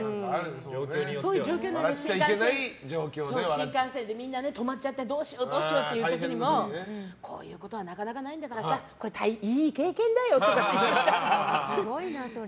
新幹線で、みんな止まっちゃってどうしよう？って時もこういうことはなかなかないんだからさいい経験だよとか言ったり。